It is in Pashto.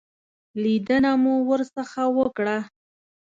لیدنه مو ورڅخه وکړه.